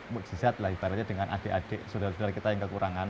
mujizat lah ibaratnya dengan adik adik saudara saudara kita yang kekurangan